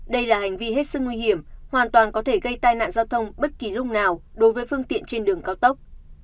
đây là hành vi hết sức nguy hiểm hoàn toàn có thể gây tai nạn giao thông bất kỳ lúc nào đối với phương tiện trên đường cao tốc